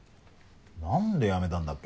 なんで辞めたんだっけ？